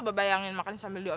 kembali mampir kamu ngajur